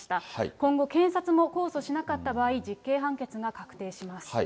今後、検察も控訴しなかった場合、実刑判決が確定します。